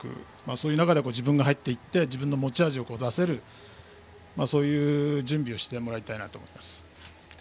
そういう中で自分が入っていって自分の持ち味を出せる準備をしてもらいたいと思います。